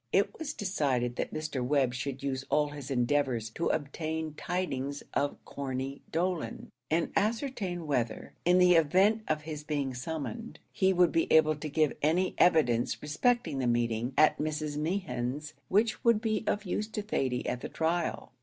It was decided that Mr. Webb should use all his endeavours to obtain tidings of Corney Dolan, and ascertain whether, in the event of his being summoned, he would be able to give any evidence respecting the meeting at Mrs. Mehan's, which would be of use to Thady at the trial.